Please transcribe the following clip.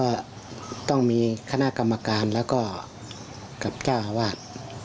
ว่าต้องมีคณะกรรมการแล้วก็กับเจ้าอาวาส